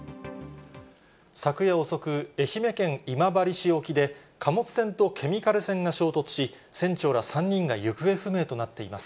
昨夜遅く、愛媛県今治市沖で、貨物船とケミカル船が衝突し、船長ら３人が行方不明となっています。